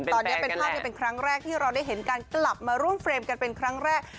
ตอนนี้เป็นภาพนี้เป็นครั้งแรกที่เราได้เห็นการกลับมาร่วมเฟรมกันเป็นครั้งแรก